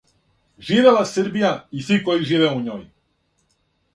Живела Србија и сви који живе у њој!